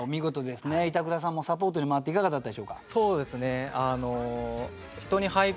板倉さんもサポートに回っていかがだったでしょうか？